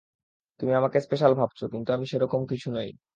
তুমি আমাকে স্পেশাল ভাবছ, কিন্তু আমি সেরকম কিছু নই।